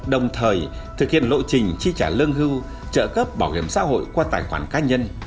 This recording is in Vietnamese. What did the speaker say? đồng thời thực hiện lộ trình chi trả lương hưu trợ cấp bảo hiểm xã hội qua tài khoản cá nhân